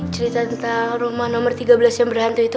cerita tentang rumah nomor tiga belas yang berhantu itu